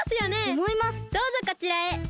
どうぞこちらへ！